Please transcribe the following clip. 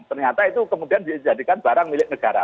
ternyata itu kemudian dijadikan barang milik negara